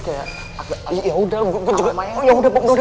semoga aku mati seniorsi aku langsung kebm nya